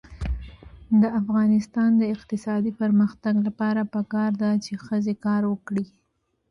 د افغانستان د اقتصادي پرمختګ لپاره پکار ده چې ښځې کار وکړي.